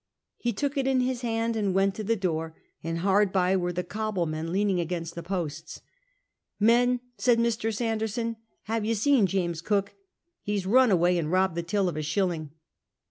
He took it in his hand and went to the door ; hard by were the coble men Iciining against the posts. " Men," said Mr. Sanderson, " ha' ye seen James Cook ? He's rim away and robbed the till of a shilling."